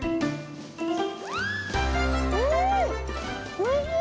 おいしい！